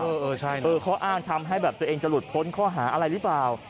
เออใช่เออข้ออ้างทำให้แบบตัวเองจะหลุดพ้นข้อหาอะไรหรือเปล่า